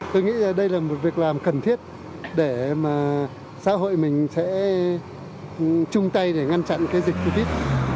tôi nghĩ đây là một việc làm cần thiết để mà xã hội mình sẽ chung tay để ngăn chặn cái dịch covid